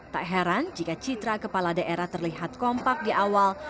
tak heran jika citra kepala daerah terlihat kompak di awal